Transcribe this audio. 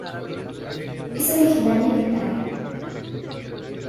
Es originaria de Italia.